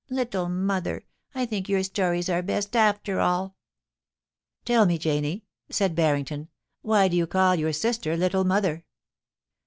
Little mother, I think your stories are best after all.' * Tell me, Janie,' said Barrington, * why do you call your sister Little Mother.'